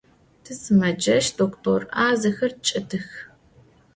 Tisımeceş doktor 'azexer çç'etıx.